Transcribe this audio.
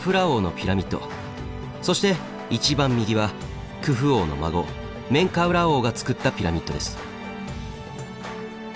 そして一番右はクフ王の孫メンカウラー王がつくったピラミッドです。